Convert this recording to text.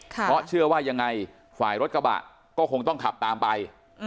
เพราะเชื่อว่ายังไงฝ่ายรถกระบะก็คงต้องขับตามไป